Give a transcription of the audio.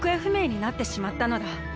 ふめいになってしまったのだ。